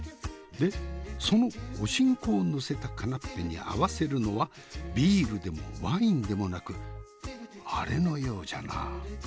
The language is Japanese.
でそのおしんこをのせたカナッペに合わせるのはビールでもワインでもなくアレのようじゃな。